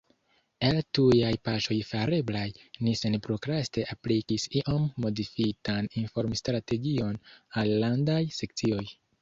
El tujaj paŝoj fareblaj, ni senprokraste aplikis iom modifitan informstrategion al Landaj Sekcioj.